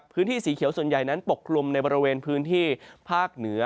พื้นที่สีเขียวส่วนใหญ่นั้นปกลุ่มในบริเวณพื้นที่ภาคเหนือ